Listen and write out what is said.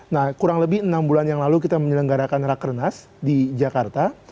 nah kurang lebih enam bulan yang lalu kita menyelenggarakan rakernas di jakarta